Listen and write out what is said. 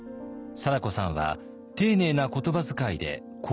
貞子さんは丁寧な言葉遣いでこう語りかけました。